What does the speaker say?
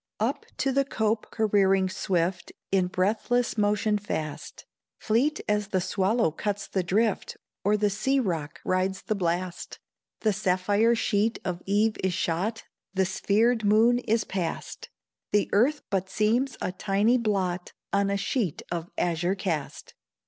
Up to the cope careering swift In breathless motion fast, Fleet as the swallow cuts the drift, Or the sea roc rides the blast, The sapphire sheet of eve is shot, The sphered moon is past, The earth but seems a tiny blot On a sheet of azure cast.